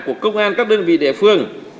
của công an các đơn vị địa phương